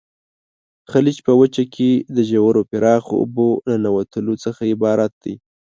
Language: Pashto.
خلیج په وچه کې د ژورو پراخو اوبو ننوتلو څخه عبارت دی.